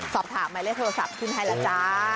สอบถามหมายเลขโทรศัพท์ขึ้นให้แล้วจ้า